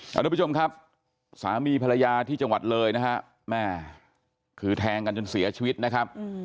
ทุกผู้ชมครับสามีภรรยาที่จังหวัดเลยนะฮะแม่คือแทงกันจนเสียชีวิตนะครับ